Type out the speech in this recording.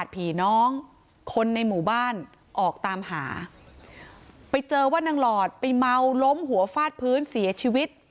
ผีน้องคนในหมู่บ้านออกตามหาไปเจอว่านางหลอดไปเมาล้มหัวฟาดพื้นเสียชีวิต